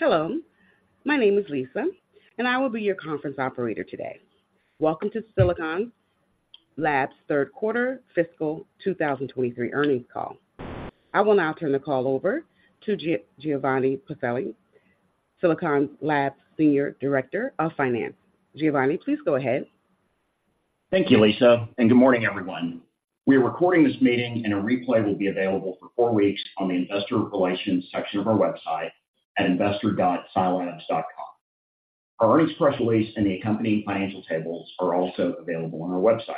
Hello, my name is Lisa, and I will be your conference operator today. Welcome to Silicon Labs' third quarter fiscal 2023 earnings call. I will now turn the call over to Giovanni Pacelli, Silicon Labs Senior Director of Finance. Giovanni, please go ahead. Thank you, Lisa, and good morning, everyone. We are recording this meeting, and a replay will be available for four weeks on the Investor Relations section of our website at investor.silabs.com. Our earnings press release and the accompanying financial tables are also available on our website.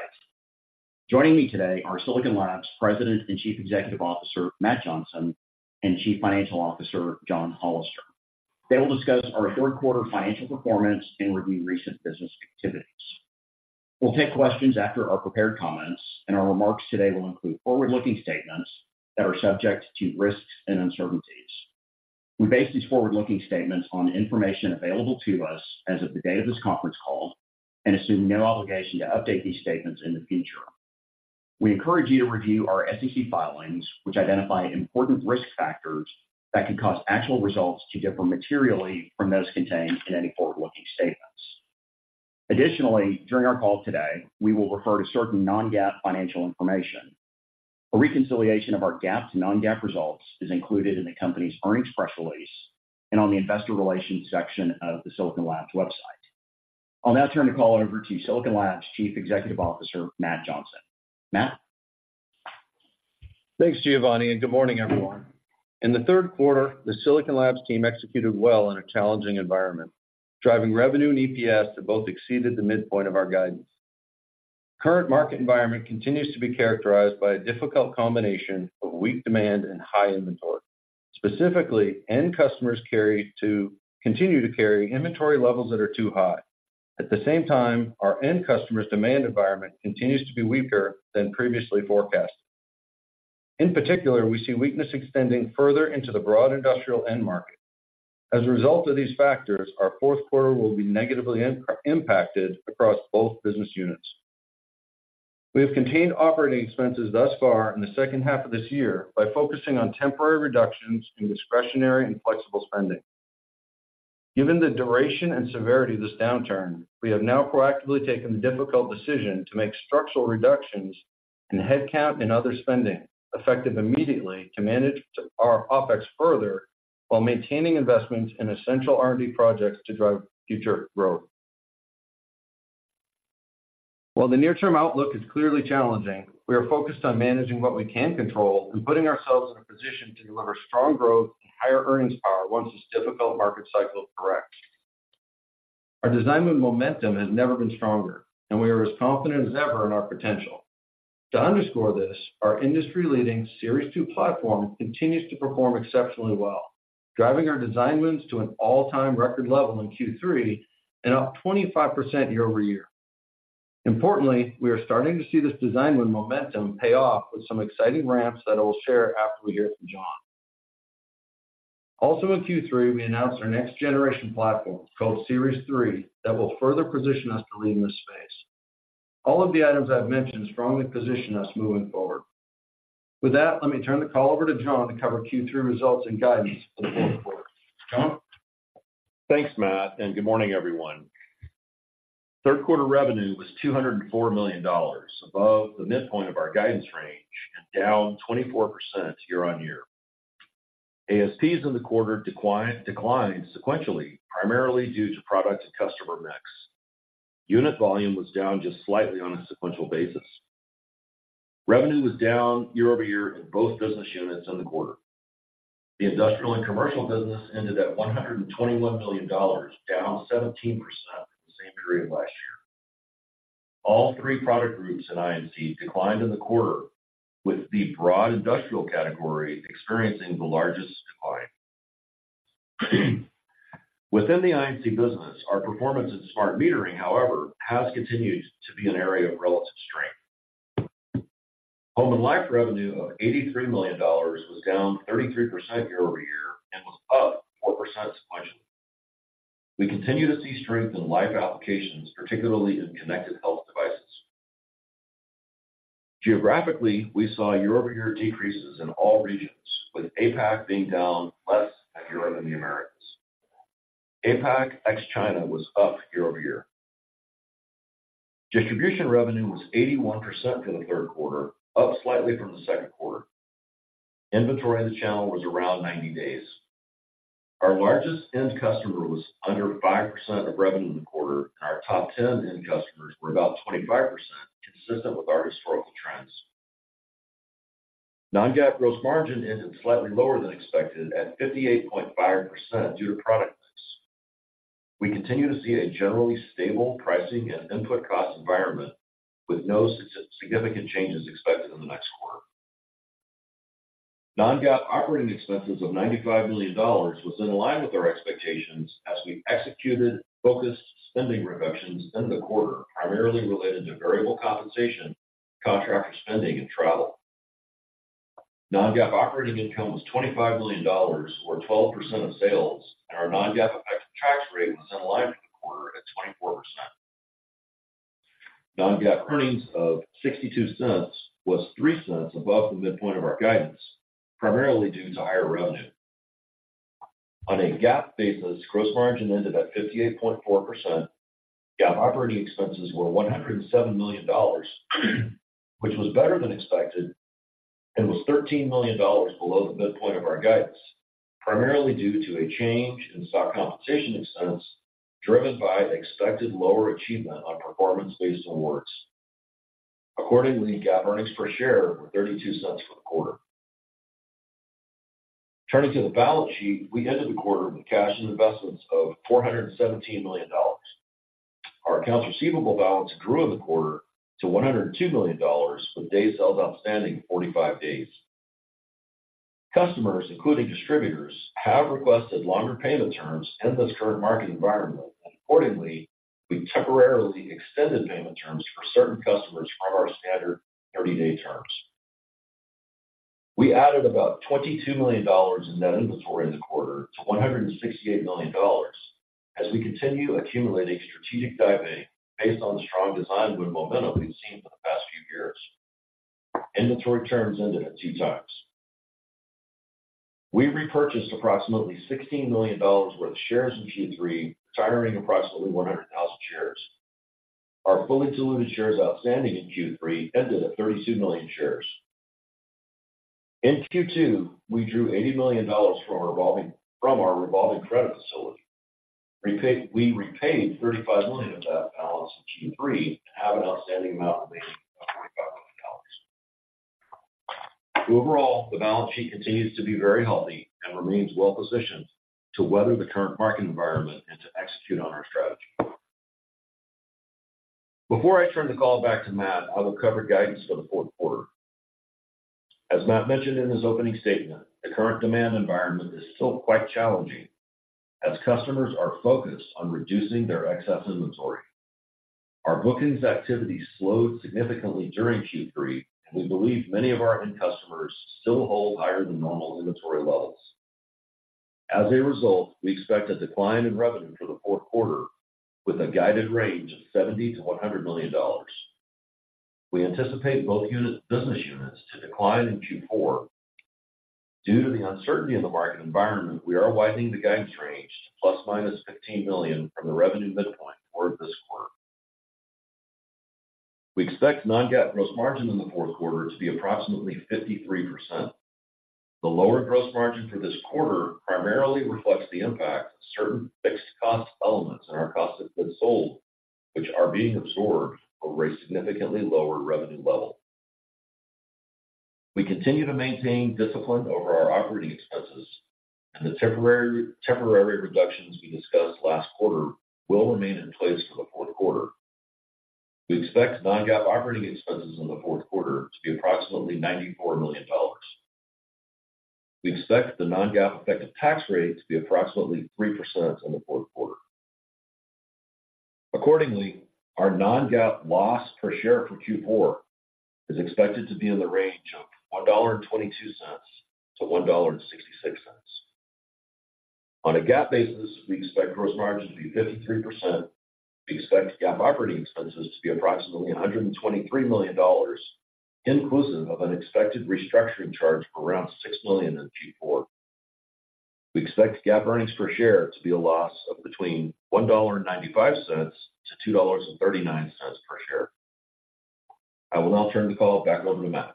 Joining me today are Silicon Labs President and Chief Executive Officer, Matt Johnson, and Chief Financial Officer, John Hollister. They will discuss our third quarter financial performance and review recent business activities. We'll take questions after our prepared comments, and our remarks today will include forward-looking statements that are subject to risks and uncertainties. We base these forward-looking statements on information available to us as of the date of this conference call and assume no obligation to update these statements in the future. We encourage you to review our SEC filings, which identify important risk factors that could cause actual results to differ materially from those contained in any forward-looking statements. Additionally, during our call today, we will refer to certain non-GAAP financial information. A reconciliation of our GAAP to non-GAAP results is included in the company's earnings press release and on the Investor Relations section of the Silicon Labs website. I'll now turn the call over to Silicon Labs' Chief Executive Officer, Matt Johnson. Matt? Thanks, Giovanni, and good morning, everyone. In the third quarter, the Silicon Labs team executed well in a challenging environment, driving revenue and EPS to both exceeded the midpoint of our guidance. Current market environment continues to be characterized by a difficult combination of weak demand and high inventory. Specifically, end customers continue to carry inventory levels that are too high. At the same time, our end customers' demand environment continues to be weaker than previously forecasted. In particular, we see weakness extending further into the broad industrial end market. As a result of these factors, our fourth quarter will be negatively impacted across both business units. We have contained operating expenses thus far in the second half of this year by focusing on temporary reductions in discretionary and flexible spending. Given the duration and severity of this downturn, we have now proactively taken the difficult decision to make structural reductions in headcount and other spending, effective immediately, to manage our OpEx further, while maintaining investments in essential R&D projects to drive future growth. While the near-term outlook is clearly challenging, we are focused on managing what we can control and putting ourselves in a position to deliver strong growth and higher earnings power once this difficult market cycle corrects. Our design win momentum has never been stronger, and we are as confident as ever in our potential. To underscore this, our industry-leading Series 2 platform continues to perform exceptionally well, driving our design wins to an all-time record level in Q3 and up 25% year-over-year. Importantly, we are starting to see this design win momentum pay off with some exciting ramps that I will share after we hear from John. Also in Q3, we announced our next generation platform, called Series 3, that will further position us to lead in this space. All of the items I've mentioned strongly position us moving forward. With that, let me turn the call over to John to cover Q3 results and guidance for the fourth quarter. John? Thanks, Matt, and good morning, everyone. Third quarter revenue was $204 million, above the midpoint of our guidance range and down 24% year-over-year. ASPs in the quarter declined sequentially, primarily due to product and customer mix. Unit volume was down just slightly on a sequential basis. Revenue was down year-over-year in both business units in the quarter. The industrial and commercial business ended at $121 million, down 17% from the same period last year. All three product groups in I&C declined in the quarter, with the broad industrial category experiencing the largest decline. Within the I&C business, our performance in smart metering, however, has continued to be an area of relative strength. Home and life revenue of $83 million was down 33% year-over-year and was up 4% sequentially. We continue to see strength in life applications, particularly in connected health devices. Geographically, we saw year-over-year decreases in all regions, with APAC being down less than Europe and the Americas. APAC, ex-China, was up year over year. Distribution revenue was 81% in the third quarter, up slightly from the second quarter. Inventory in the channel was around 90 days. Our largest end customer was under 5% of revenue in the quarter, and our top ten end customers were about 25%, consistent with our historical trends. Non-GAAP gross margin ended slightly lower than expected at 58.5% due to product mix. We continue to see a generally stable pricing and input cost environment with no significant changes expected in the next quarter. Non-GAAP operating expenses of $95 million was in line with our expectations as we executed focused spending reductions in the quarter, primarily related to variable compensation, contractor spending, and travel. Non-GAAP operating income was $25 million, or 12% of sales, and our non-GAAP effective tax rate was in line for the quarter at 24%. Non-GAAP earnings of $0.62 was $0.03 above the midpoint of our guidance, primarily due to higher revenue. On a GAAP basis, gross margin ended at 58.4%. GAAP operating expenses were $107 million, which was better than expected, and was $13 million below the midpoint of our guidance, primarily due to a change in stock compensation expense, driven by an expected lower achievement on performance-based awards. Accordingly, GAAP earnings per share were $0.32 for the quarter. Turning to the balance sheet, we ended the quarter with cash and investments of $417 million. Our accounts receivable balance grew in the quarter to $102 million, with days sales outstanding, 45 days. Customers, including distributors, have requested longer payment terms in this current market environment, and accordingly, we temporarily extended payment terms for certain customers from our standard 30-day terms. We added about $22 million in net inventory in the quarter to $168 million, as we continue accumulating strategic inventory based on the strong design win momentum we've seen for the past few years. Inventory turns ended at 2 times. We repurchased approximately $16 million worth of shares in Q3, retiring approximately 100,000 shares. Our fully diluted shares outstanding in Q3 ended at 32 million shares. In Q2, we drew $80 million from our revolving credit facility. We repaid $35 million of that balance in Q3, and have an outstanding amount remaining of $45 million. Overall, the balance sheet continues to be very healthy and remains well positioned to weather the current market environment and to execute on our strategy. Before I turn the call back to Matt, I will cover guidance for the fourth quarter. As Matt mentioned in his opening statement, the current demand environment is still quite challenging as customers are focused on reducing their excess inventory. Our bookings activity slowed significantly during Q3, and we believe many of our end customers still hold higher than normal inventory levels. As a result, we expect a decline in revenue for the fourth quarter with a guided range of $70 million-$100 million. We anticipate both unit business units to decline in Q4. Due to the uncertainty in the market environment, we are widening the guidance range to ±15 million from the revenue midpoint for this quarter. We expect non-GAAP gross margin in the fourth quarter to be approximately 53%. The lower gross margin for this quarter primarily reflects the impact of certain fixed cost elements in our cost of goods sold, which are being absorbed over a significantly lower revenue level. We continue to maintain discipline over our operating expenses, and the temporary reductions we discussed last quarter will remain in place for the fourth quarter. We expect non-GAAP operating expenses in the fourth quarter to be approximately $94 million. We expect the non-GAAP effective tax rate to be approximately 3% in the fourth quarter. Accordingly, our non-GAAP loss per share for Q4 is expected to be in the range of $1.22-$1.66. On a GAAP basis, we expect gross margin to be 53%. We expect GAAP operating expenses to be approximately $123 million, inclusive of an expected restructuring charge of around $6 million in Q4. We expect GAAP earnings per share to be a loss of between $1.95 and $2.39 per share. I will now turn the call back over to Matt.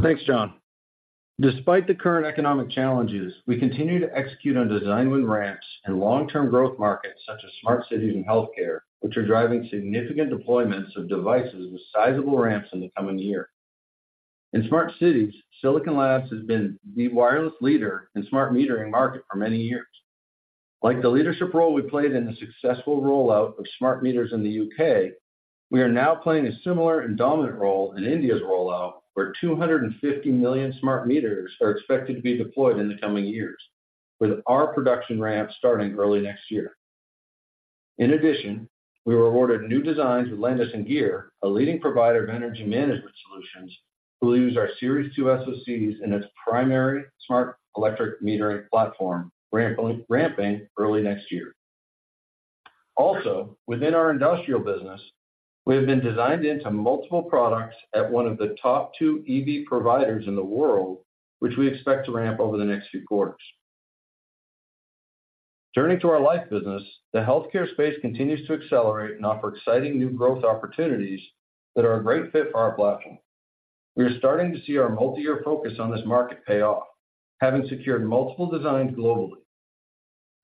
Thanks, John. Despite the current economic challenges, we continue to execute on design win ramps in long-term growth markets, such as smart cities and healthcare, which are driving significant deployments of devices with sizable ramps in the coming year. In smart cities, Silicon Labs has been the wireless leader in smart metering market for many years. Like the leadership role we played in the successful rollout of smart meters in the U.K., we are now playing a similar and dominant role in India's rollout, where 250 million smart meters are expected to be deployed in the coming years, with our production ramp starting early next year. In addition, we were awarded new designs with Landis+Gyr, a leading provider of energy management solutions, who will use our Series 2 SoCs in its primary smart electric metering platform, ramping early next year. Also, within our industrial business, we have been designed into multiple products at one of the top two EV providers in the world, which we expect to ramp over the next few quarters. Turning to our life business, the healthcare space continues to accelerate and offer exciting new growth opportunities that are a great fit for our platform. We are starting to see our multi-year focus on this market pay off, having secured multiple designs globally.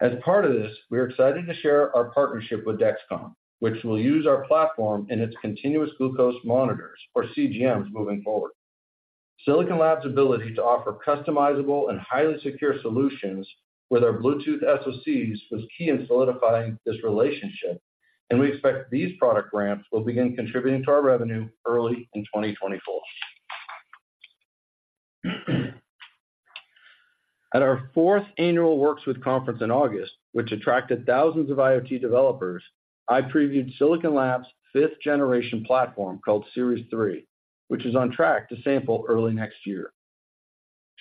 As part of this, we are excited to share our partnership with Dexcom, which will use our platform in its continuous glucose monitors or CGMs moving forward. Silicon Labs' ability to offer customizable and highly secure solutions with our Bluetooth SoCs was key in solidifying this relationship, and we expect these product ramps will begin contributing to our revenue early in 2024. At our fourth annual Works With Conference in August, which attracted thousands of IoT developers, I previewed Silicon Labs' fifth generation platform, called Series 3, which is on track to sample early next year.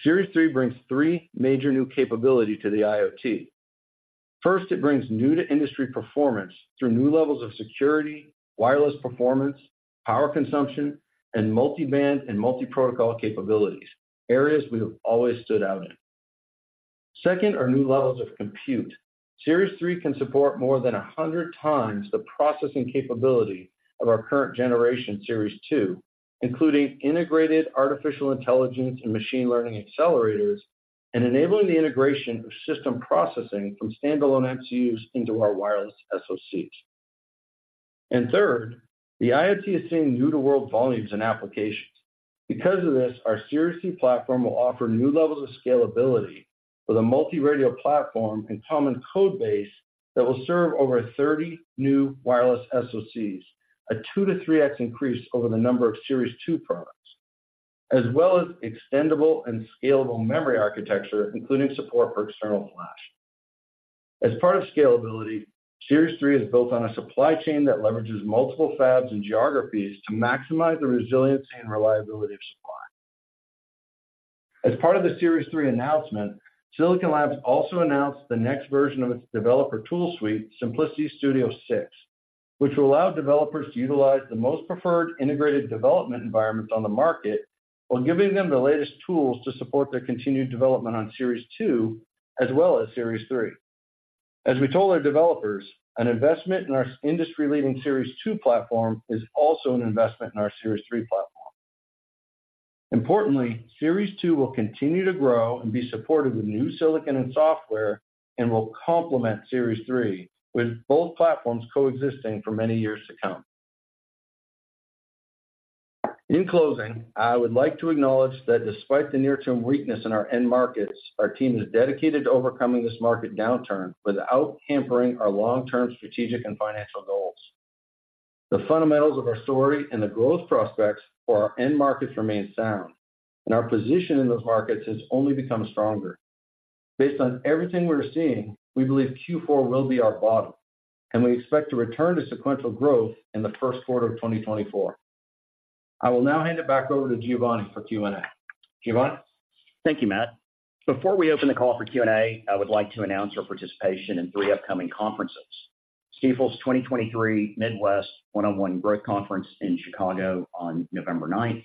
Series 3 brings three major new capability to the IoT. First, it brings new to industry performance through new levels of security, wireless performance, power consumption, and multi-band and multi-protocol capabilities, areas we have always stood out in. Second, are new levels of compute. Series 3 can support more than 100 times the processing capability of our current generation, Series 2, including integrated artificial intelligence and machine learning accelerators, and enabling the integration of system processing from standalone MCUs into our wireless SoCs. And third, the IoT is seeing new to world volumes and applications. Because of this, our Series 3 platform will offer new levels of scalability with a multi-radio platform and common code base that will serve over 30 new wireless SoCs, a 2-3x increase over the number of Series 2 products, as well as extendable and scalable memory architecture, including support for external flash. As part of scalability, Series 3 is built on a supply chain that leverages multiple fabs and geographies to maximize the resiliency and reliability of supply. As part of the Series 3 announcement, Silicon Labs also announced the next version of its developer tool suite, Simplicity Studio 6, which will allow developers to utilize the most preferred integrated development environments on the market, while giving them the latest tools to support their continued development on Series 2, as well as Series 3. As we told our developers, an investment in our industry-leading Series 2 platform is also an investment in our Series 3 platform. Importantly, Series 2 will continue to grow and be supported with new silicon and software, and will complement Series 3, with both platforms coexisting for many years to come. In closing, I would like to acknowledge that despite the near-term weakness in our end markets, our team is dedicated to overcoming this market downturn without hampering our long-term strategic and financial goals. The fundamentals of our story and the growth prospects for our end markets remain sound, and our position in those markets has only become stronger. Based on everything we're seeing, we believe Q4 will be our bottom, and we expect to return to sequential growth in the first quarter of 2024. I will now hand it back over to Giovanni for Q&A. Giovanni? Thank you, Matt. Before we open the call for Q&A, I would like to announce our participation in three upcoming conferences. Stifel 2023 Midwest One-on-One Growth Conference in Chicago on November 9,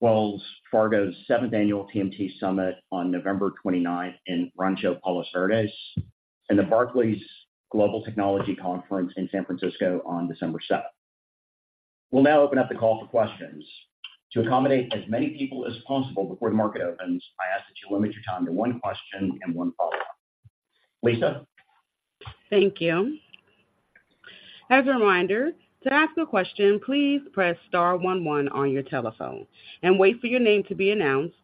Wells Fargo's 7th Annual TMT Summit on November 29 in Rancho Palos Verdes, and the Barclays Global Technology Conference in San Francisco on December 7. We'll now open up the call for questions. To accommodate as many people as possible before the market opens, I ask that you limit your time to one question and one follow-up. Lisa? Thank you. As a reminder, to ask a question, please press star one one on your telephone and wait for your name to be announced.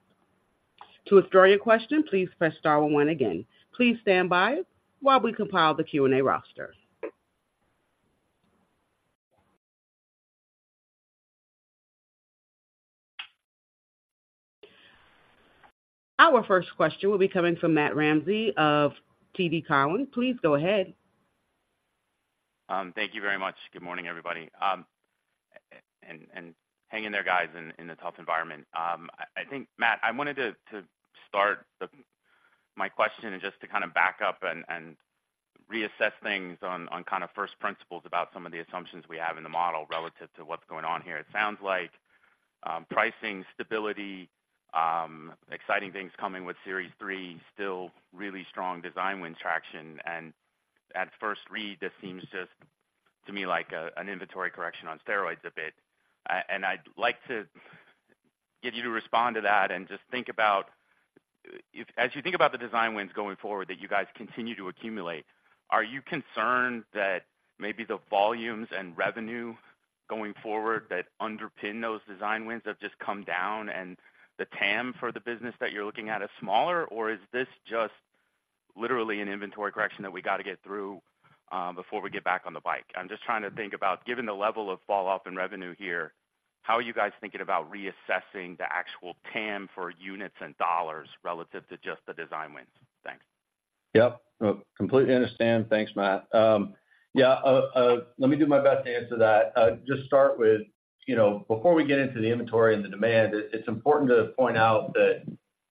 To withdraw your question, please press star one one again. Please stand by while we compile the Q&A roster. Our first question will be coming from Matt Ramsay of TD Cowen. Please go ahead. Thank you very much. Good morning, everybody, and hang in there, guys, in this tough environment. I think, Matt, I wanted to start my question and just to kind of back up and reassess things on kind of first principles about some of the assumptions we have in the model relative to what's going on here. It sounds like pricing, stability, exciting things coming with Series 3, still really strong design win traction. And at first read, this seems just to me like an inventory correction on steroids a bit. And I'd like to get you to respond to that and just think about... If as you think about the design wins going forward, that you guys continue to accumulate, are you concerned that maybe the volumes and revenue going forward that underpin those design wins have just come down, and the TAM for the business that you're looking at is smaller? Or is this just literally an inventory correction that we got to get through, before we get back on the bike? I'm just trying to think about, given the level of falloff in revenue here, how are you guys thinking about reassessing the actual TAM for units and dollars relative to just the design wins? Thanks. Yep, completely understand. Thanks, Matt. Yeah, let me do my best to answer that. Just start with, you know, before we get into the inventory and the demand, it's important to point out that,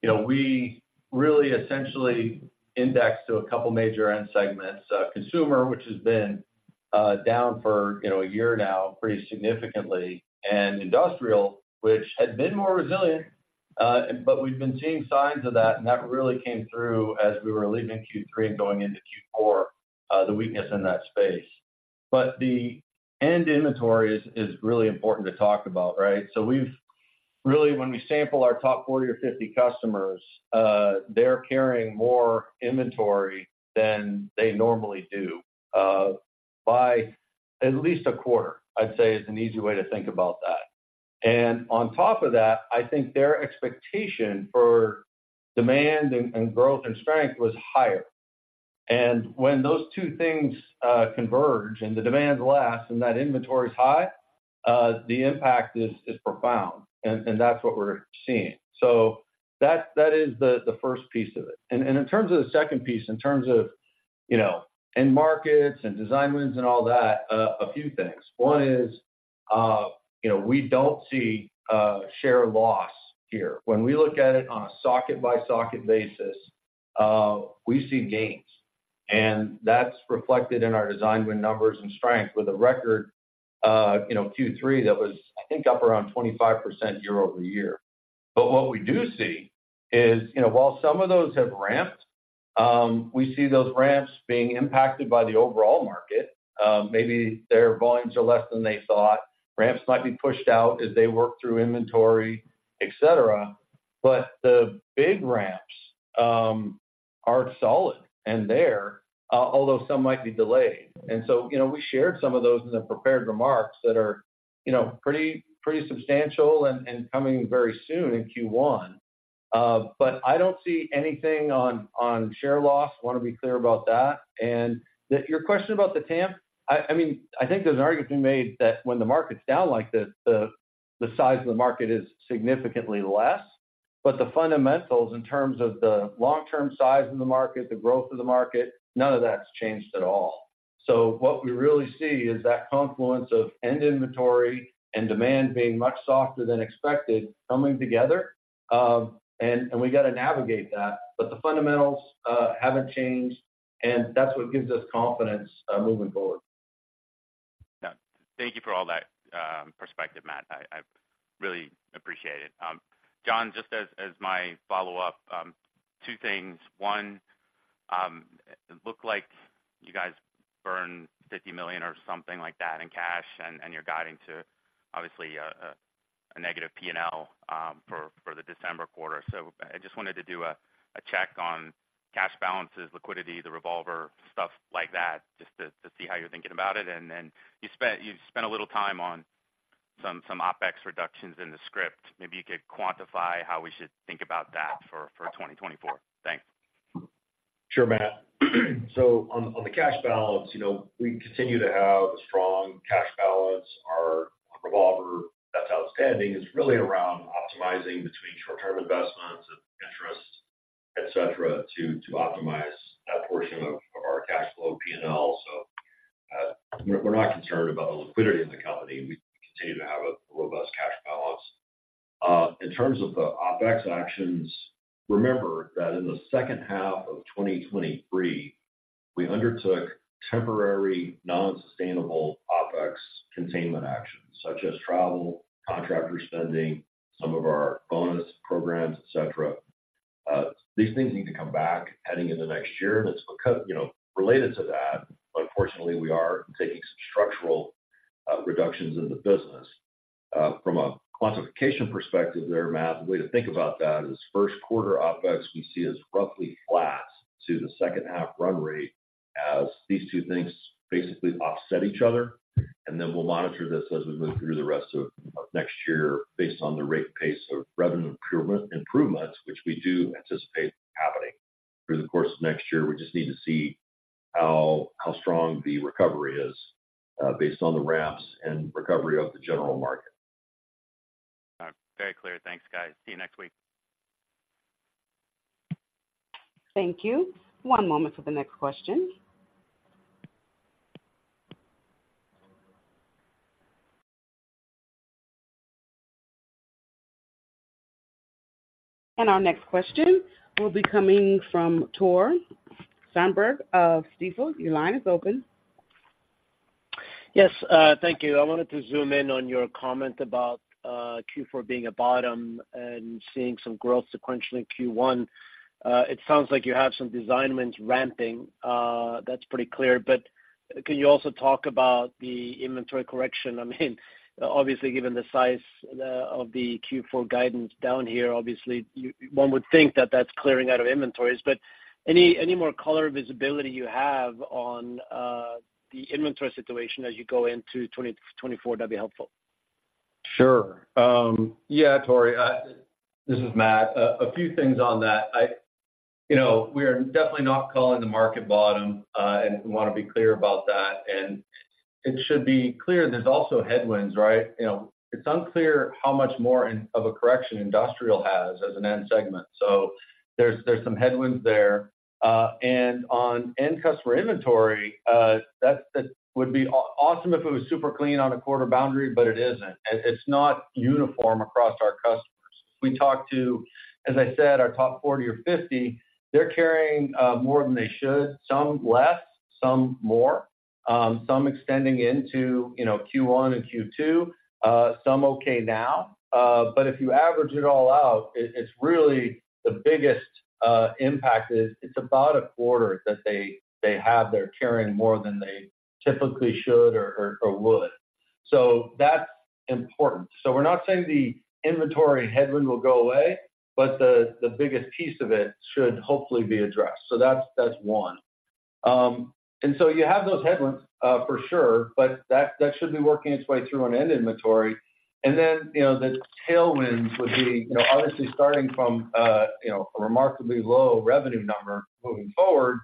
you know, we really essentially index to a couple major end segments. Consumer, which has been down for, you know, a year now, pretty significantly, and industrial, which had been more resilient, but we've been seeing signs of that, and that really came through as we were leaving Q3 and going into Q4, the weakness in that space. But the end inventory is really important to talk about, right? So we've really, when we sample our top 40 or 50 customers, they're carrying more inventory than they normally do, by at least a quarter, I'd say, is an easy way to think about that. And on top of that, I think their expectation for demand and growth and strength was higher. And when those two things converge and the demand is less and that inventory is high, the impact is profound. And that's what we're seeing. So that is the first piece of it. And in terms of the second piece, in terms of you know, end markets and design wins and all that, a few things. One is, you know, we don't see share loss here. When we look at it on a socket-by-socket basis, we see gains, and that's reflected in our design win numbers and strength with a record, you know, Q3 that was, I think, up around 25% year-over-year. But what we do see is, you know, while some of those have ramped, we see those ramps being impacted by the overall market. Maybe their volumes are less than they thought. Ramps might be pushed out as they work through inventory, et cetera, but the big ramps are solid and there, although some might be delayed. And so, you know, we shared some of those in the prepared remarks that are, you know, pretty, pretty substantial and, and coming very soon in Q1. But I don't see anything on share loss. I want to be clear about that. That your question about the TAM, I mean, I think there's an argument to be made that when the market's down like this, the size of the market is significantly less. But the fundamentals in terms of the long-term size of the market, the growth of the market, none of that's changed at all. So what we really see is that confluence of end inventory and demand being much softer than expected coming together, and we got to navigate that. But the fundamentals haven't changed, and that's what gives us confidence moving forward. Yeah. Thank you for all that, perspective, Matt. I really appreciate it. John, just as my follow-up, two things: One, it looked like you guys burned $50 million or something like that in cash, and you're guiding to obviously a negative P&L for the December quarter. So I just wanted to do a check on cash balances, liquidity, the revolver, stuff like that, just to see how you're thinking about it. And then you spent a little time on some OpEx reductions in the script. Maybe you could quantify how we should think about that for 2024. Thanks. Sure, Matt. So on the cash balance, you know, we continue to have a strong cash balance. Our revolver that's outstanding is really around optimizing between short-term investments and interest, et cetera, to, to optimize that portion of, of our cash flow P&L. So, we're, we're not concerned about the liquidity in the company. We continue to have a robust cash balance. In terms of the OpEx actions, remember that in the second half of 2023, we undertook temporary, non-sustainable OpEx containment actions such as travel, contractor spending, some of our bonus programs, et cetera. These things need to come back heading in the next year, and it's because. You know, related to that, unfortunately, we are taking some structural reductions in the business. From a quantification perspective there, Matt, the way to think about that is first quarter OpEx we see as roughly flat to the second half run rate as these two things basically offset each other. And then we'll monitor this as we move through the rest of, of next year based on the rate and pace of revenue improvement, improvements, which we do anticipate happening through the course of next year. We just need to see how, how strong the recovery is, based on the ramps and recovery of the general market. Very clear. Thanks, guys. See you next week. Thank you. One moment for the next question. Our next question will be coming from Tore Svanberg of Stifel. Your line is open. Yes, thank you. I wanted to zoom in on your comment about Q4 being a bottom and seeing some growth sequentially in Q1. It sounds like you have some design wins ramping. That's pretty clear, but can you also talk about the inventory correction? I mean, obviously, given the size of the Q4 guidance down here, obviously, you, one would think that that's clearing out of inventories, but any more color or visibility you have on the inventory situation as you go into 2024, that'd be helpful. Sure. Yeah, Tore, this is Matt. A few things on that. You know, we are definitely not calling the market bottom, and we want to be clear about that, and it should be clear there's also headwinds, right? You know, it's unclear how much more of a correction industrial has as an end segment, so there's some headwinds there. And on end customer inventory, that would be awesome if it was super clean on a quarter boundary, but it isn't. It's not uniform across our customers. We talked to, as I said, our top 40 or 50, they're carrying more than they should, some less, some more, some extending into, you know, Q1 and Q2, some okay now. But if you average it all out, it's really the biggest impact is it's about a quarter that they have they're carrying more than they typically should or would. So that's important. So we're not saying the inventory headwind will go away, but the biggest piece of it should hopefully be addressed. So that's one. And so you have those headwinds for sure, but that should be working its way through on end inventory. And then, you know, the tailwinds would be, you know, obviously starting from a remarkably low revenue number moving forward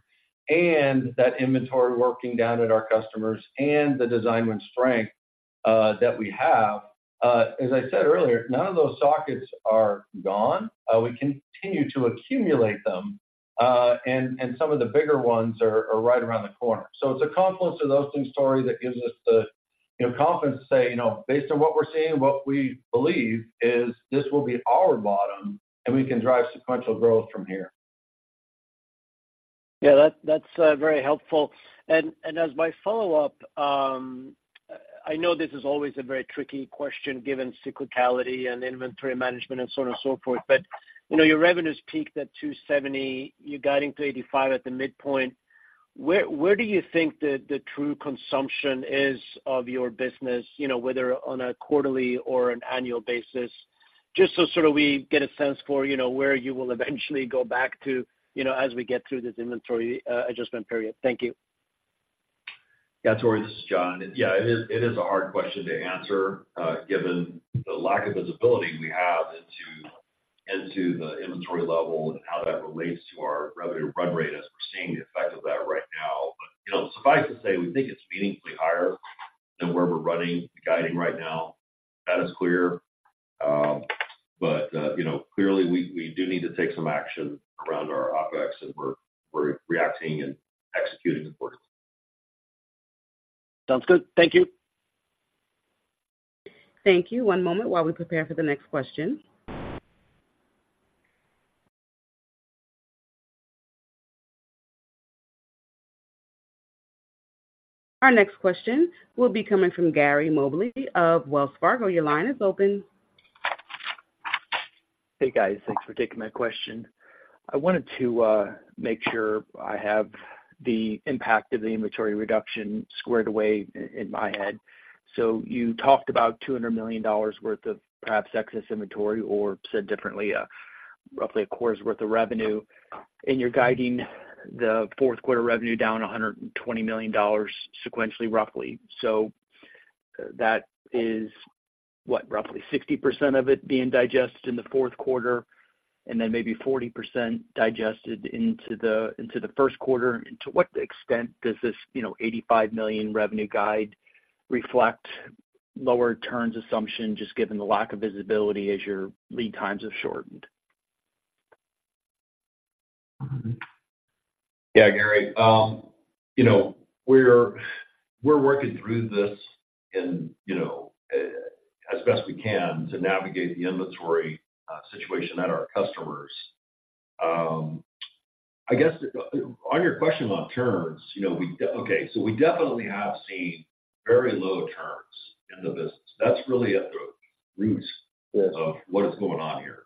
and that inventory working down at our customers and the design win strength.... that we have. As I said earlier, none of those sockets are gone. We continue to accumulate them, and some of the bigger ones are right around the corner. So it's a confluence of those two stories that gives us the, you know, confidence to say, you know, based on what we're seeing and what we believe, is this will be our bottom, and we can drive sequential growth from here. Yeah, that's very helpful. And as my follow-up, I know this is always a very tricky question, given cyclicality and inventory management and so on and so forth, but you know, your revenues peaked at $270 million, you're guiding to $85 million at the midpoint. Where do you think the true consumption is of your business, you know, whether on a quarterly or an annual basis? Just so sort of we get a sense for, you know, where you will eventually go back to, you know, as we get through this inventory adjustment period. Thank you. Yeah, Tore, this is John. Yeah, it is, it is a hard question to answer, given the lack of visibility we have into, into the inventory level and how that relates to our revenue run rate, as we're seeing the effect of that right now. But, you know, suffice to say, we think it's meaningfully higher than where we're running, guiding right now. That is clear. But, you know, clearly we, we do need to take some action around our OpEx, and we're, we're reacting and executing towards it. Sounds good. Thank you. Thank you. One moment while we prepare for the next question. Our next question will be coming from Gary Mobley of Wells Fargo. Your line is open. Hey, guys. Thanks for taking my question. I wanted to make sure I have the impact of the inventory reduction squared away in my head. So you talked about $200 million worth of perhaps excess inventory, or said differently, roughly a quarter's worth of revenue, and you're guiding the fourth quarter revenue down $120 million sequentially, roughly. So that is, what? Roughly 60% of it being digested in the fourth quarter and then maybe 40% digested into the first quarter. To what extent does this, you know, $85 million revenue guide reflect lower turns assumption, just given the lack of visibility as your lead times have shortened? Yeah, Gary, you know, we're working through this and, you know, as best we can to navigate the inventory situation at our customers. I guess, on your question on turns, you know, we definitely have seen very low turns in the business. That's really at the root- Yes... of what is going on here.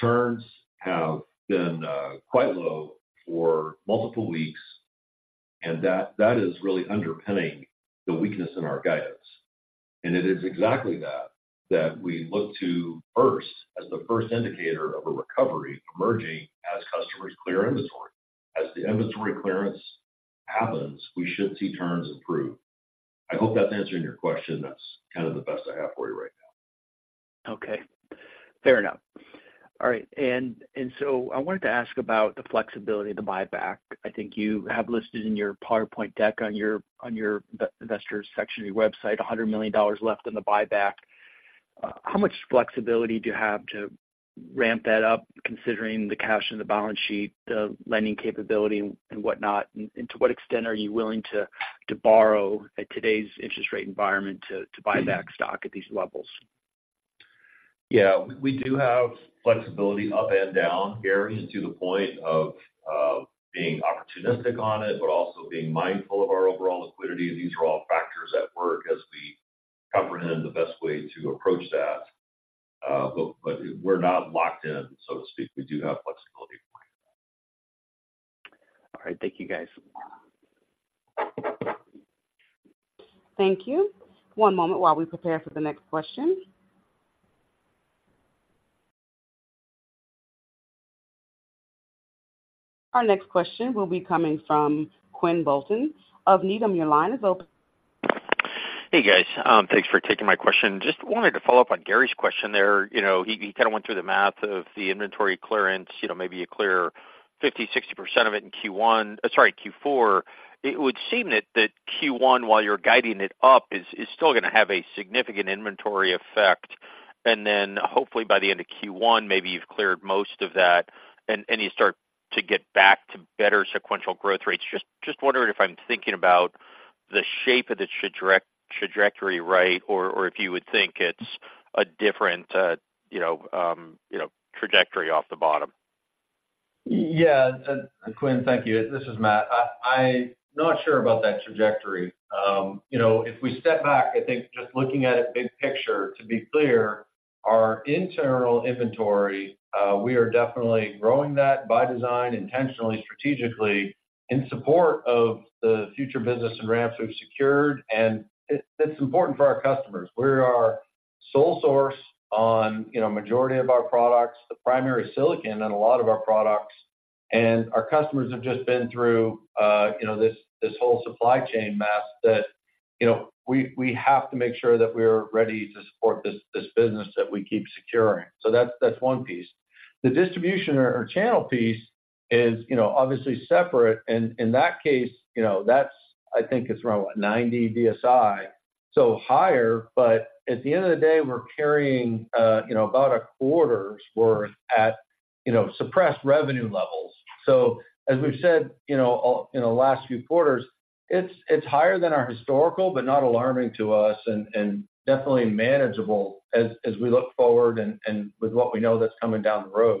Turns have been quite low for multiple weeks, and that is really underpinning the weakness in our guidance. And it is exactly that that we look to first as the first indicator of a recovery emerging as customers clear inventory. As the inventory clearance happens, we should see turns improve. I hope that's answering your question. That's kind of the best I have for you right now. Okay, fair enough. All right, and, and so I wanted to ask about the flexibility of the buyback. I think you have listed in your PowerPoint deck on your, on your investors section of your website, $100 million left on the buyback. How much flexibility do you have to ramp that up, considering the cash on the balance sheet, the lending capability and whatnot, and, and to what extent are you willing to, to borrow at today's interest rate environment to, to buy back stock at these levels? Yeah, we do have flexibility up and down, Gary, to the point of being opportunistic on it, but also being mindful of our overall liquidity. These are all factors at work as we comprehend the best way to approach that. But we're not locked in, so to speak. We do have flexibility for you. All right. Thank you, guys. Thank you. One moment while we prepare for the next question. Our next question will be coming from Quinn Bolton of Needham. Your line is open. Hey, guys. Thanks for taking my question. Just wanted to follow up on Gary's question there. You know, he kind of went through the math of the inventory clearance. You know, maybe you clear 50-60% of it in Q1, sorry, Q4. It would seem that Q1, while you're guiding it up, is still gonna have a significant inventory effect, and then hopefully by the end of Q1, maybe you've cleared most of that and you start to get back to better sequential growth rates. Just wondering if I'm thinking about the shape of the trajectory right, or if you would think it's a different, you know, trajectory off the bottom. Yeah, Quinn, thank you. This is Matt. I'm not sure about that trajectory. You know, if we step back, I think just looking at it big picture, to be clear, our internal inventory, we are definitely growing that by design, intentionally, strategically, in support of the future business and ramps we've secured, and it's important for our customers. We're our sole source on, you know, majority of our products, the primary silicon on a lot of our products, and our customers have just been through, you know, this whole supply chain mess that, you know, we have to make sure that we're ready to support this business, that we keep securing. So that's one piece.... The distribution channel piece is, you know, obviously separate, and in that case, you know, that's, I think it's around what? 90 DSI. So higher, but at the end of the day, we're carrying, you know, about a quarter's worth at, you know, suppressed revenue levels. So as we've said, you know, in the last few quarters, it's higher than our historical, but not alarming to us and definitely manageable as we look forward and with what we know that's coming down the road.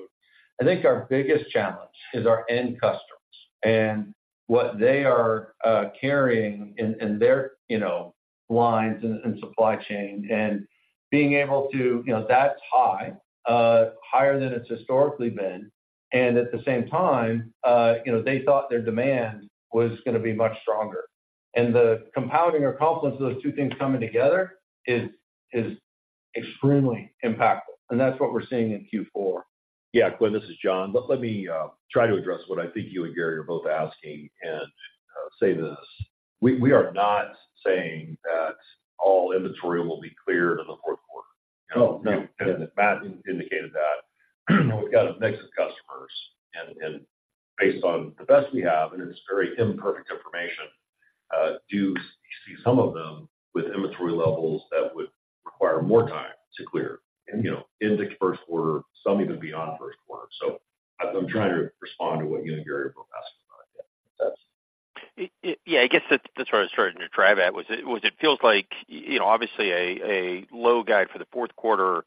I think our biggest challenge is our end customers and what they are carrying in their, you know, lines and supply chain, and being able to... You know, that's high, higher than it's historically been. And at the same time, you know, they thought their demand was gonna be much stronger. The compounding or confluence of those two things coming together is extremely impactful, and that's what we're seeing in Q4. Yeah, Quinn, this is John. Let me try to address what I think you and Gary are both asking and say this: we are not saying that all inventory will be cleared in the fourth quarter. Oh, no. Matt indicated that. We've got a mix of customers, and, and based on the best we have, and it's very imperfect information, do see some of them with inventory levels that would require more time to clear and, you know, into first quarter, some even beyond first quarter. So I'm trying to respond to what you and Gary are both asking about. Yeah. Makes sense? Yeah, I guess that's, that's what I was trying to drive at, was it, was it feels like, you know, obviously a, a low guide for the fourth quarter,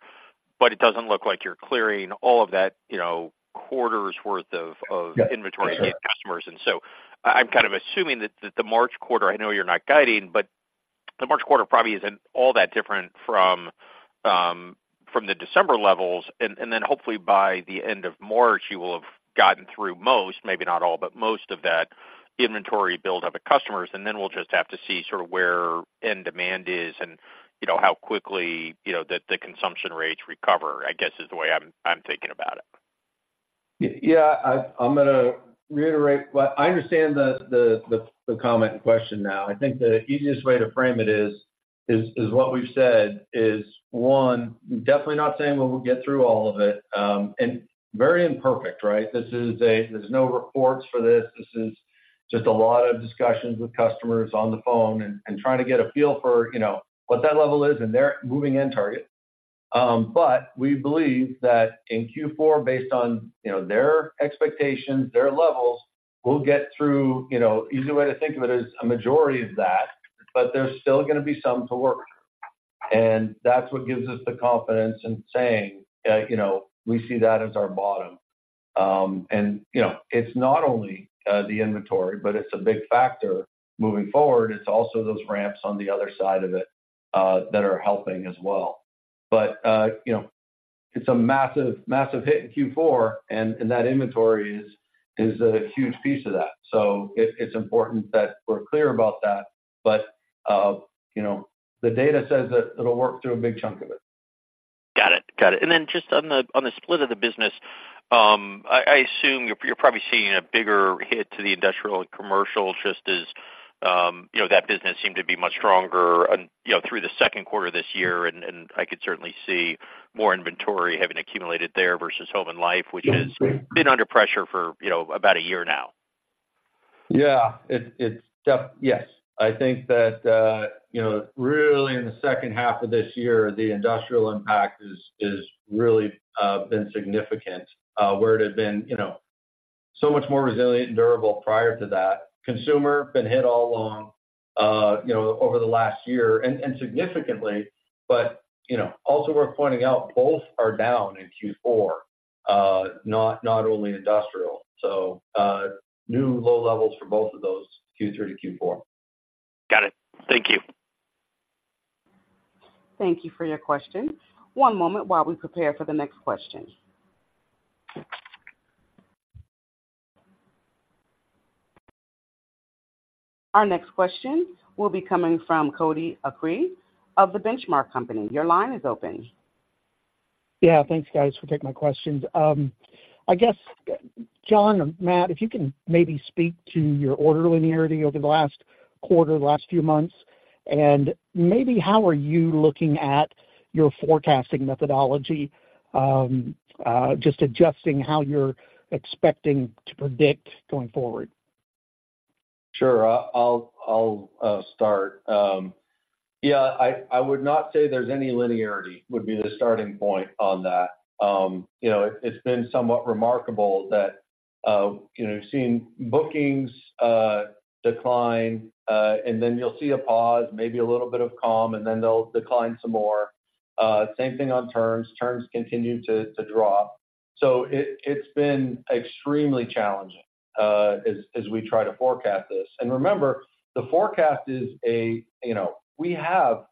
but it doesn't look like you're clearing all of that, you know, quarter's worth of, of- Yeah... inventory customers. And so I'm kind of assuming that the March quarter, I know you're not guiding, but the March quarter probably isn't all that different from from the December levels, and then hopefully by the end of March, you will have gotten through most, maybe not all, but most of that inventory build of the customers, and then we'll just have to see sort of where end demand is and, you know, how quickly, you know, the consumption rates recover, I guess, is the way I'm thinking about it. Yeah, I'm gonna reiterate what I understand the comment and question now. I think the easiest way to frame it is what we've said, one, definitely not saying we'll get through all of it, and very imperfect, right? This is. There's no reports for this. This is just a lot of discussions with customers on the phone and trying to get a feel for, you know, what that level is, and they're moving in target. But we believe that in Q4, based on, you know, their expectations, their levels, we'll get through. You know, easy way to think of it is a majority of that, but there's still gonna be some to work. And that's what gives us the confidence in saying that, you know, we see that as our bottom. And, you know, it's not only the inventory, but it's a big factor moving forward. It's also those ramps on the other side of it that are helping as well. But you know, it's a massive, massive hit in Q4, and that inventory is a huge piece of that. So it's important that we're clear about that, but you know, the data says that it'll work through a big chunk of it. Got it. Got it. And then just on the split of the business, I assume you're probably seeing a bigger hit to the industrial and commercial, just as, you know, that business seemed to be much stronger and, you know, through the second quarter this year, and I could certainly see more inventory having accumulated there versus home and life- Yes... which has been under pressure for, you know, about a year now. Yeah. Yes, I think that, you know, really in the second half of this year, the industrial impact is really been significant, where it had been, you know, so much more resilient and durable prior to that. Consumer been hit all along, you know, over the last year and significantly, but, you know, also worth pointing out, both are down in Q4, not only industrial. So, new low levels for both of those, Q3 to Q4. Got it. Thank you. Thank you for your question. One moment while we prepare for the next question. Our next question will be coming from Cody Acree of The Benchmark Company. Your line is open. Yeah, thanks, guys, for taking my questions. I guess, John or Matt, if you can maybe speak to your order linearity over the last quarter, last few months, and maybe how are you looking at your forecasting methodology, just adjusting how you're expecting to predict going forward? Sure. I'll start. I would not say there's any linearity, would be the starting point on that. You know, it's been somewhat remarkable that, you know, we've seen bookings decline, and then you'll see a pause, maybe a little bit of calm, and then they'll decline some more. Same thing on terms. Terms continue to drop. So it's been extremely challenging, as we try to forecast this. And remember, the forecast is, you know, we have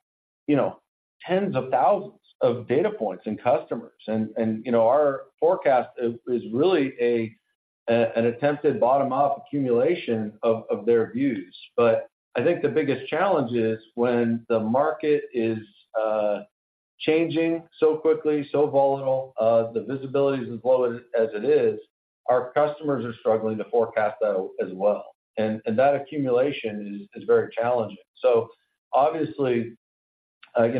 tens of thousands of data points and customers, and our forecast is really an attempted bottom-up accumulation of their views. But I think the biggest challenge is when the market is changing so quickly, so volatile, the visibility is as low as it is. Our customers are struggling to forecast that as well. And that accumulation is very challenging. You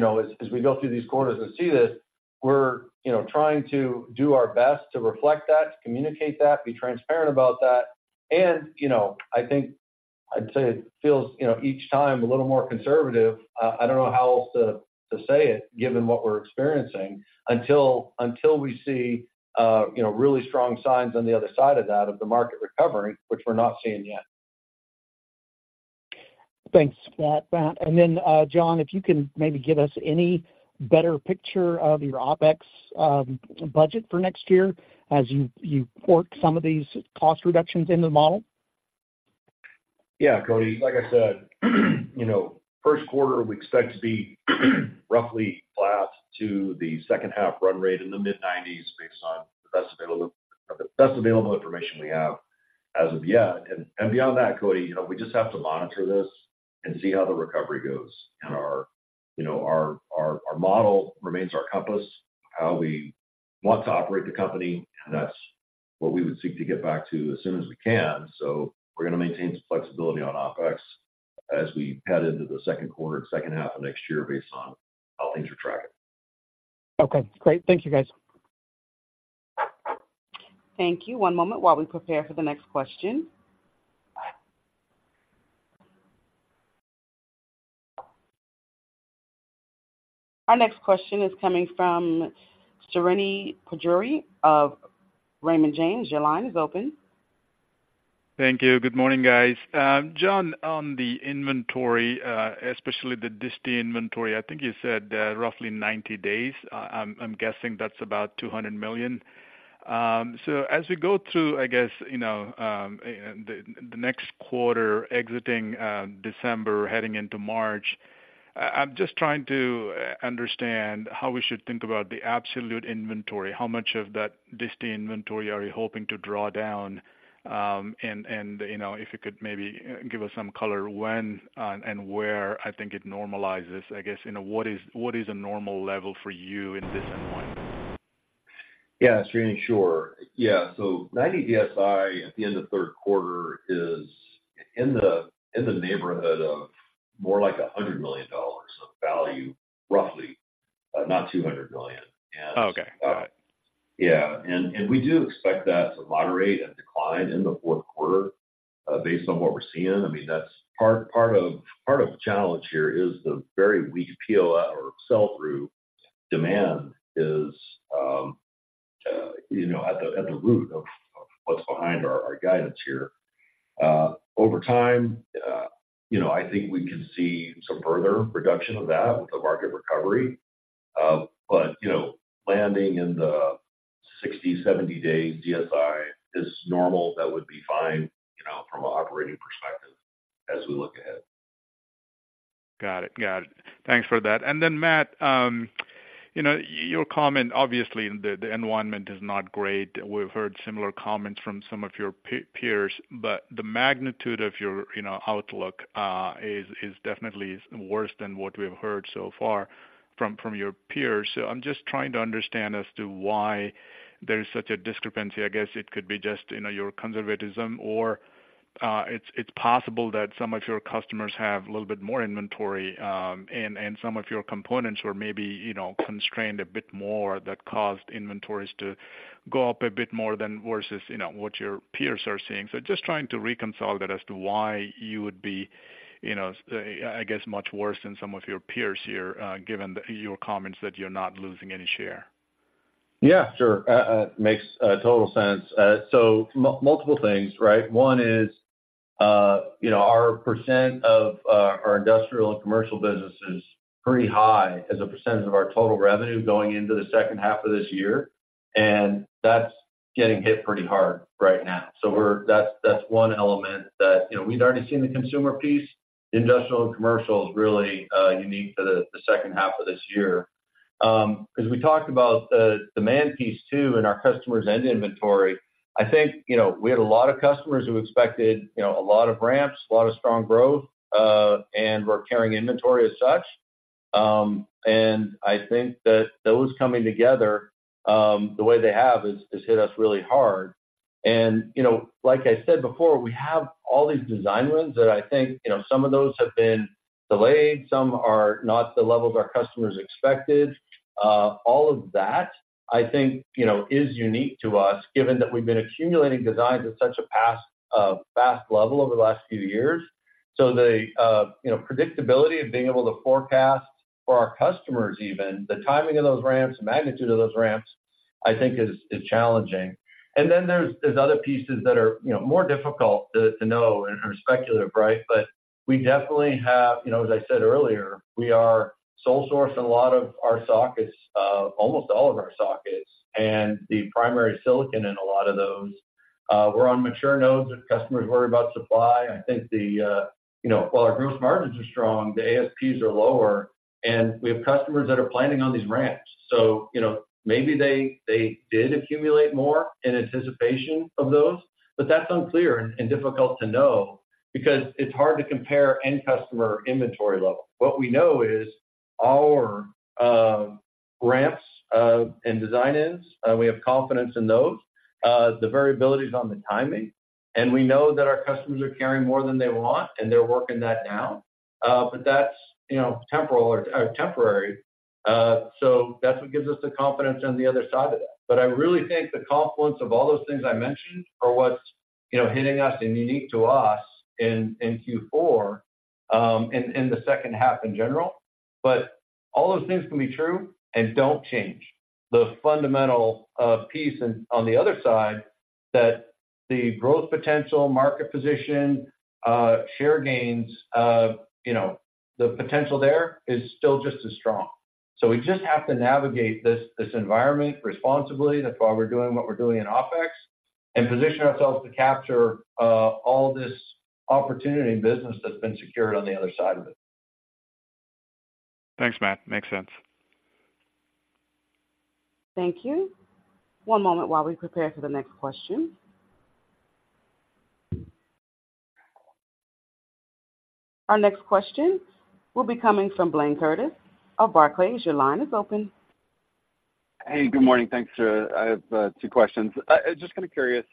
know, as we go through these quarters and see this, we're trying to do our best to reflect that, to communicate that, be transparent about that. And, you know, I think I'd say it feels each time a little more conservative. I don't know how else to say it, given what we're experiencing, until we see really strong signs on the other side of that, of the market recovery, which we're not seeing yet. Thanks for that, Matt. And then, John, if you can maybe give us any better picture of your OpEx budget for next year as you port some of these cost reductions in the model? Yeah, Cody, like I said, you know, first quarter, we expect to be roughly flat to the second half run rate in the mid-nineties based on the best available, the best available information we have as of yet. And beyond that, Cody, you know, we just have to monitor this and see how the recovery goes. And our, you know, our model remains our compass, how we want to operate the company, and that's what we would seek to get back to as soon as we can. So we're gonna maintain some flexibility on OpEx as we head into the second quarter and second half of next year based on how things are tracking. Okay, great. Thank you, guys. Thank you. One moment while we prepare for the next question. Our next question is coming from Srini Pajjuri of Raymond James. Your line is open. Thank you. Good morning, guys. John, on the inventory, especially the DSI inventory, I think you said, roughly 90 days. I'm guessing that's about $200 million. So as we go through, I guess, you know, the next quarter exiting December, heading into March, I'm just trying to understand how we should think about the absolute inventory. How much of that DSI inventory are you hoping to draw down? And, you know, if you could maybe give us some color when and where I think it normalizes, I guess, you know, what is, what is a normal level for you in this environment? Yeah, Srini, sure. Yeah, so 90 DSI at the end of third quarter is in the neighborhood of more like $100 million of value, roughly, not $200 million. And- Okay. Got it. Yeah. And we do expect that to moderate and decline in the fourth quarter, based on what we're seeing. I mean, that's part of the challenge here is the very weak POS or sell-through demand is, you know, at the root of what's behind our guidance here. Over time, you know, I think we can see some further reduction of that with the market recovery. But, you know, landing in the 60-70-day DSI is normal. That would be fine, you know, from an operating perspective as we look ahead. Got it. Got it. Thanks for that. Then, Matt, you know, your comment, obviously, the environment is not great. We've heard similar comments from some of your peers, but the magnitude of your, you know, outlook is definitely worse than what we've heard so far from your peers. So I'm just trying to understand as to why there is such a discrepancy. I guess it could be just, you know, your conservatism or it's possible that some of your customers have a little bit more inventory, and some of your components were maybe constrained a bit more, that caused inventories to go up a bit more than versus what your peers are seeing. Just trying to reconcile that as to why you would be, you know, I guess, much worse than some of your peers here, given that your comments that you're not losing any share. Yeah, sure. Makes total sense. So multiple things, right? One is, you know, our percent of our industrial and commercial business is pretty high as a percentage of our total revenue going into the second half of this year, and that's getting hit pretty hard right now. So that's one element that, you know, we'd already seen the consumer piece. Industrial and commercial is really unique to the second half of this year. Because we talked about the demand piece, too, and our customers' end inventory. I think, you know, we had a lot of customers who expected, you know, a lot of ramps, a lot of strong growth, and were carrying inventory as such. And I think that those coming together, the way they have is hit us really hard. You know, like I said before, we have all these design wins that I think, you know, some of those have been delayed, some are not the level our customers expected. All of that, I think, you know, is unique to us, given that we've been accumulating designs at such a fast level over the last few years. So the, you know, predictability of being able to forecast for our customers, even the timing of those ramps, the magnitude of those ramps, I think is challenging. And then there's other pieces that are, you know, more difficult to know and are speculative, right? But we definitely have, you know, as I said earlier, we are sole source in a lot of our sockets, almost all of our sockets and the primary silicon in a lot of those. We're on mature nodes, and customers worry about supply. I think the, you know, while our gross margins are strong, the ASPs are lower, and we have customers that are planning on these ramps. So, you know, maybe they, they did accumulate more in anticipation of those, but that's unclear and, and difficult to know because it's hard to compare end customer inventory level. What we know is our ramps, and design-ins, we have confidence in those. The variability is on the timing, and we know that our customers are carrying more than they want, and they're working that down. But that's, you know, temporal or, or temporary. So that's what gives us the confidence on the other side of that. But I really think the confluence of all those things I mentioned are what's, you know, hitting us and unique to us in Q4, in the second half in general. But all those things can be true and don't change the fundamental piece on the other side, that the growth potential, market position, share gains, you know, the potential there is still just as strong. So we just have to navigate this environment responsibly. That's why we're doing what we're doing in OpEx, and position ourselves to capture all this opportunity and business that's been secured on the other side of it. Thanks, Matt. Makes sense. Thank you. One moment while we prepare for the next question. Our next question will be coming from Blayne Curtis of Barclays. Your line is open. Hey, good morning. Thanks. I have two questions. I'm just kind of curious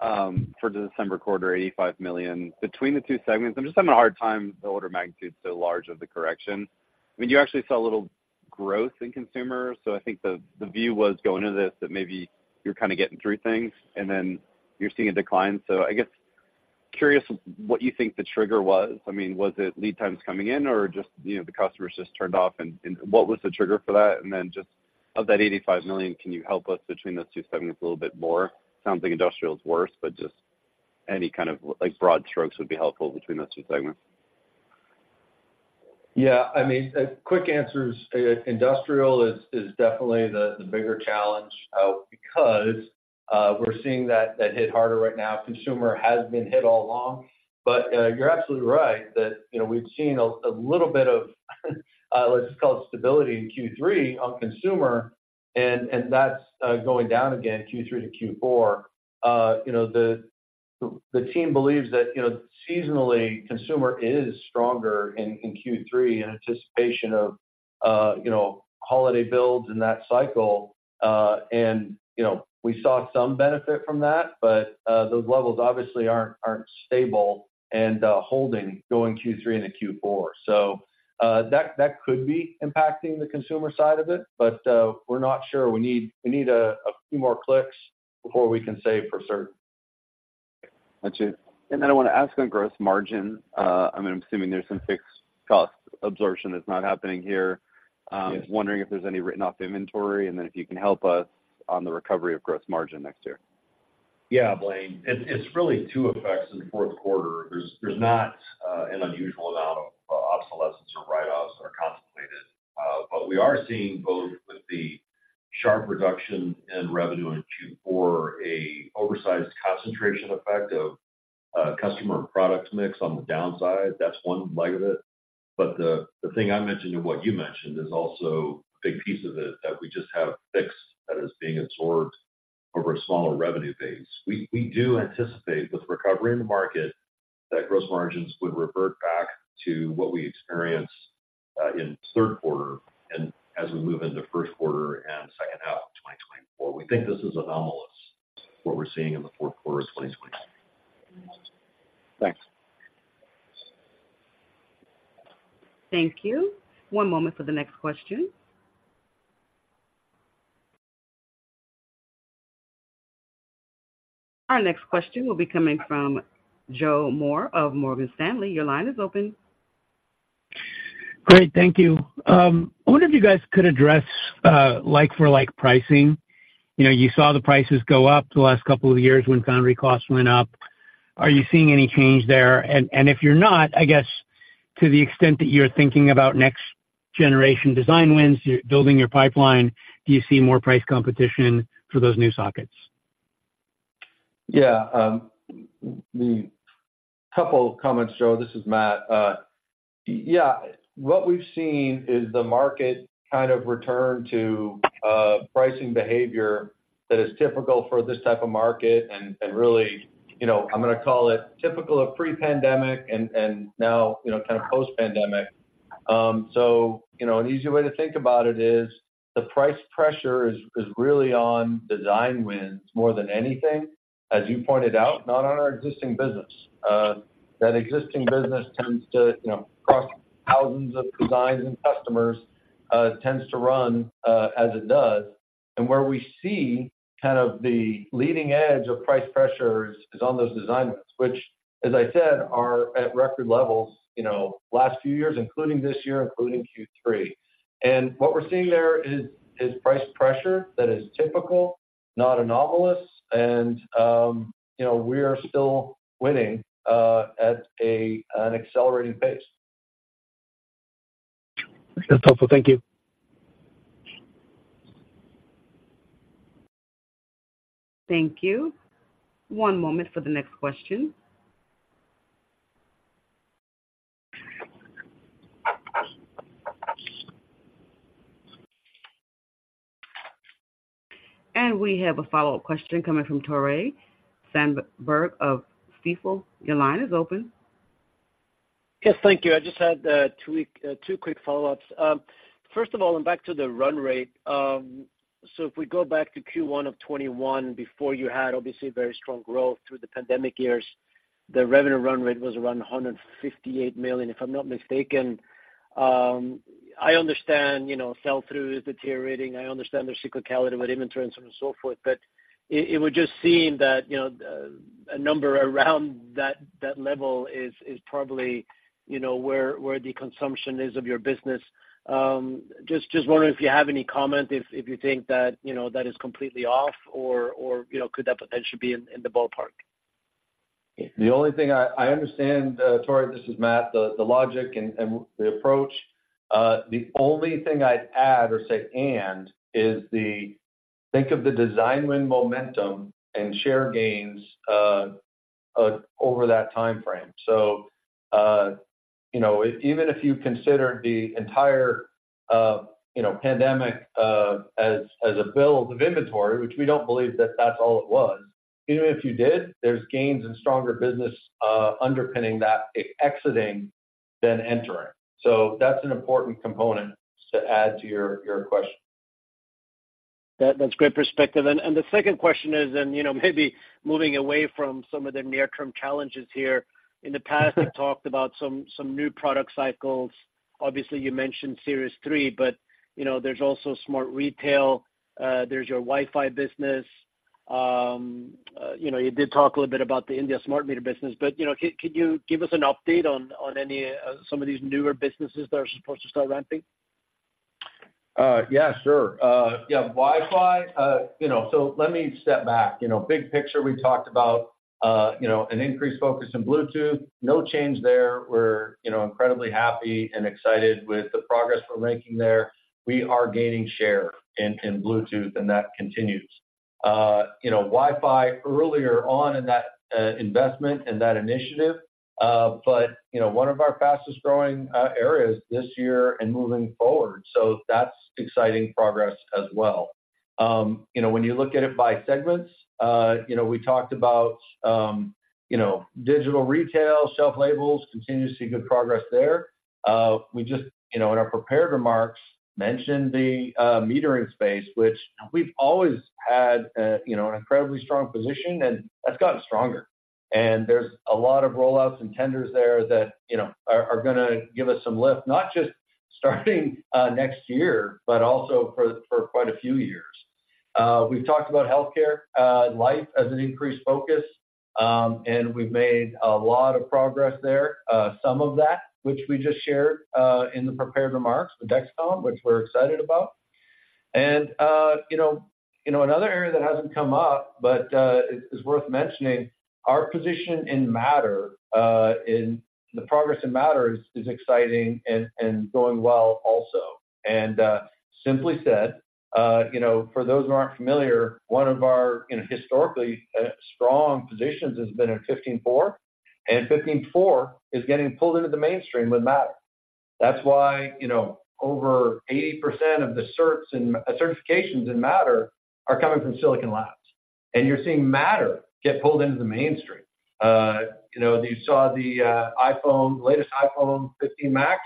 for the December quarter, $85 million between the two segments. I'm just having a hard time. The order of magnitude is so large of the correction. I mean, you actually saw a little growth in consumer, so I think the view was going into this, that maybe you're kind of getting through things and then you're seeing a decline. So I guess, curious what you think the trigger was. I mean, was it lead times coming in or just, you know, the customers just turned off? And what was the trigger for that? And then just of that $85 million, can you help us between those two segments a little bit more? Sounds like industrial is worse, but just any kind of, like, broad strokes would be helpful between those two segments. Yeah, I mean, the quick answer is, industrial is definitely the bigger challenge, because we're seeing that hit harder right now. Consumer has been hit all along, but you're absolutely right that, you know, we've seen a little bit of, let's just call it stability in Q3 on consumer, and that's going down again in Q3 to Q4. You know, the team believes that, you know, seasonally, consumer is stronger in Q3 in anticipation of, you know, holiday builds in that cycle. And, you know, we saw some benefit from that, but those levels obviously aren't stable and holding going Q3 into Q4. So, that could be impacting the consumer side of it, but we're not sure. We need a few more clicks before we can say for certain. Got you. And then I want to ask on gross margin, I mean, I'm assuming there's some fixed cost absorption that's not happening here. Yes. Wondering if there's any written off inventory, and then if you can help us on the recovery of gross margin next year? Yeah, Blaine. It's really two effects in the fourth quarter. There's not an unusual amount of obsolescence or write-offs that are contemplated, but we are seeing both with the sharp reduction in revenue in Q4, an oversized concentration effect of customer and product mix on the downside. That's one leg of it. But the thing I mentioned and what you mentioned is also a big piece of it, that we just have fixed that is being absorbed over a smaller revenue base. We do anticipate, with recovery in the market, that gross margins would revert back to what we experienced in third quarter and as we move into first quarter and second half of 2024. We think this is anomalous, what we're seeing in the fourth quarter of 2022. Thanks. Thank you. One moment for the next question. Our next question will be coming from Joe Moore of Morgan Stanley. Your line is open. Great, thank you. I wonder if you guys could address, like-for-like pricing. You know, you saw the prices go up the last couple of years when foundry costs went up. Are you seeing any change there? And if you're not, I guess, to the extent that you're thinking about next-generation design wins, you're building your pipeline, do you see more price competition for those new sockets? Yeah, a couple of comments, Joe. This is Matt. Yeah, what we've seen is the market kind of return to pricing behavior that is typical for this type of market and really, you know, I'm going to call it typical of pre-pandemic and now, you know, kind of post-pandemic. So, you know, an easy way to think about it is the price pressure is really on design wins more than anything, as you pointed out, not on our existing business. That existing business tends to, you know, cross thousands of designs and customers, tends to run as it does. And where we see kind of the leading edge of price pressures is on those design wins, which, as I said, are at record levels, you know, last few years, including this year, including Q3. What we're seeing there is price pressure that is typical, not anomalous, and, you know, we are still winning at an accelerating pace. That's helpful. Thank you. Thank you. One moment for the next question.... We have a follow-up question coming from Tore Svanberg of Stifel. Your line is open. Yes, thank you. I just had two quick follow-ups. First of all, and back to the run rate, so if we go back to Q1 of 2021, before you had obviously very strong growth through the pandemic years, the revenue run rate was around $158 million, if I'm not mistaken. I understand, you know, sell-through is deteriorating, I understand there's cyclicality with inventory and so on and so forth, but it, it would just seem that, you know, a number around that, that level is, is probably, you know, where, where the consumption is of your business. Just, just wondering if you have any comment, if, if you think that, you know, that is completely off, or, or, you know, could that potentially be in, in the ballpark? The only thing I understand, Tore, this is Matt, the logic and the approach. The only thing I'd add or say, and is to think of the design win momentum and share gains, over that time frame. So, you know, even if you consider the entire, you know, pandemic, as a build of inventory, which we don't believe that that's all it was, even if you did, there's gains in stronger business, underpinning that exiting than entering. So that's an important component to add to your question. That's great perspective. And the second question is then, you know, maybe moving away from some of the near-term challenges here. In the past, you talked about some new product cycles. Obviously, you mentioned Series 3, but, you know, there's also smart retail, there's your Wi-Fi business. You know, you did talk a little bit about the India smart meter business, but, you know, could you give us an update on any some of these newer businesses that are supposed to start ramping? Yeah, sure. Yeah, Wi-Fi, you know, so let me step back. You know, big picture, we talked about, you know, an increased focus in Bluetooth. No change there. We're, you know, incredibly happy and excited with the progress we're making there. We are gaining share in, in Bluetooth, and that continues. You know, Wi-Fi, earlier on in that, investment and that initiative, but, you know, one of our fastest growing, areas this year and moving forward, so that's exciting progress as well. You know, when you look at it by segments, you know, we talked about, you know, digital retail, shelf labels, continue to see good progress there. We just, you know, in our prepared remarks, mentioned the metering space, which we've always had, you know, an incredibly strong position, and that's gotten stronger. There's a lot of rollouts and tenders there that, you know, are gonna give us some lift, not just starting next year, but also for quite a few years. We've talked about healthcare, IoT as an increased focus, and we've made a lot of progress there. Some of that, which we just shared in the prepared remarks, the Dexcom, which we're excited about. You know, another area that hasn't come up, but is worth mentioning, our position in Matter, in the progress in Matter is exciting and going well also. Simply said, you know, for those who aren't familiar, one of our, you know, historically strong positions has been in 15.4, and 15.4 is getting pulled into the mainstream with Matter. That's why, you know, over 80% of the certs and certifications in Matter are coming from Silicon Labs, and you're seeing Matter get pulled into the mainstream. You know, you saw the iPhone, latest iPhone 15 Max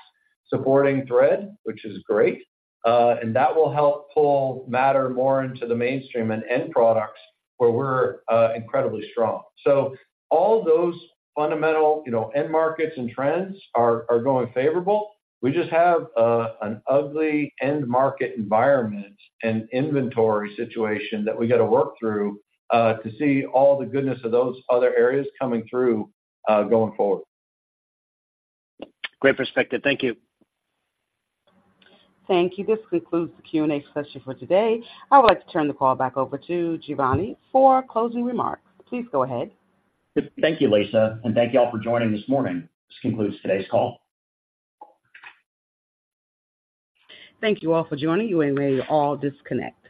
supporting Thread, which is great, and that will help pull Matter more into the mainstream and end products where we're incredibly strong. So all those fundamental, you know, end markets and trends are going favorable. We just have an ugly end market environment and inventory situation that we got to work through to see all the goodness of those other areas coming through, going forward. Great perspective. Thank you. Thank you. This concludes the Q&A session for today. I would like to turn the call back over to Giovanni for closing remarks. Please go ahead. Thank you, Lisa, and thank you all for joining this morning. This concludes today's call. Thank you all for joining. You may all disconnect.